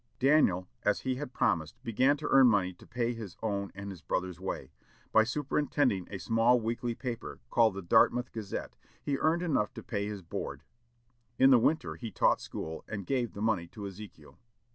Daniel, as he had promised, began to earn money to pay his own and his brother's way. By superintending a small weekly paper, called the Dartmouth Gazette, he earned enough to pay his board. In the winter he taught school, and gave the money to Ezekiel.